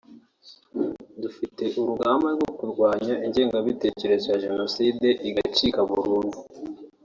dufite urugamba rwo kurwanya ingengabitekerezo ya Jenoside igacika burundu